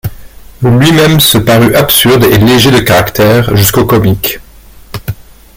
Lui-même se parut absurde et léger de caractère, jusqu'au comique.